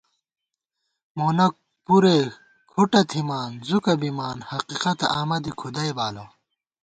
مونہ پُرے کُھٹہ تھِمان زُکہ بِمان، حقیقَتہ آمہ دی کھُدَئی بالہ